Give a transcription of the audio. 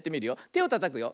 てをたたくよ。